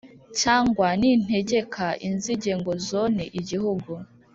cyangwa nintegeka inzige ngo zone igihugu,